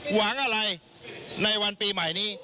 หวังอะไรในวันปีใหม่นี้